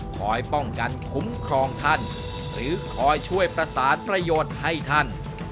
คอยป้องกันคุ้มครองท่านหรือคอยช่วยประสานประโยชน์ให้ท่าน